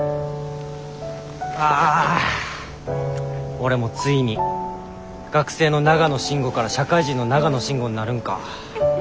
俺もついに「学生の長野慎吾」から「社会人の長野慎吾」になるんか。